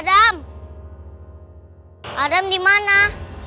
emang kau yang bikin diri